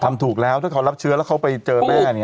ทำถูกแล้วถ้าเขารับเชื้อแล้วเขาไปเจอแม่